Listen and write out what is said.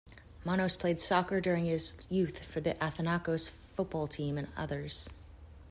Manos played soccer during his youth for the Athinaikos football team and others.